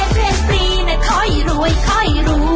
เททธีป้ายแดง